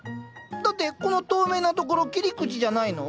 だってこの透明なところ切り口じゃないの？